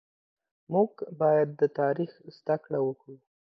مونږ بايد د تاريخ زده کړه وکړو